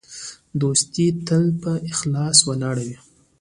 دوستي تل په اخلاص ولاړه وي.